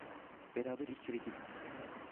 Beraber içeri girdik.